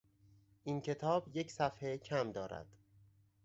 این کتاب یک صفحه کم دارد.